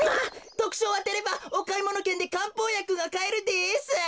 とくしょうをあてればおかいものけんでかんぽうやくがかえるです。